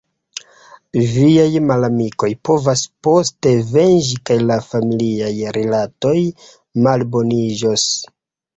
Viaj malamikoj povas poste venĝi – kaj la familiaj rilatoj malboniĝos.